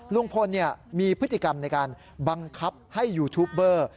ลุงพลมีพฤติกรรมในการบังคับให้ยูทูปเบอร์